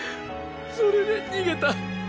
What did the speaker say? それで逃げた。